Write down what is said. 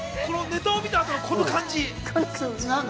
ネタを見たあとの、この感じ。